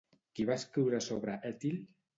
Qui va escriure sobre Ètil?